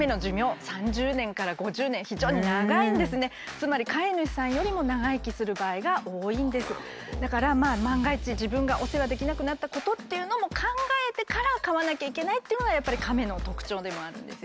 つまりだから万が一自分がお世話できなくなったことっていうのも考えてから飼わなきゃいけないっていうのがやっぱりカメの特徴でもあるんですよね。